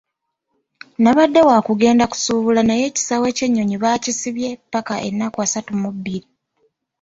Nabadde wa kugenda kusuubula naye ekisaawe ky'ennyoni baakisibye ppaka ennaku asatu mu bbiri.